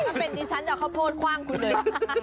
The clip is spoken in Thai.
ต้องเป็นดิฉันอย่าเขาโพสต์ขว้างคุณเลย